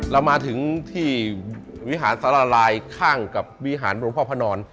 เรามาถึงที่วิหารสารลายข้างกับวิหารหลวงพ่อพระนอน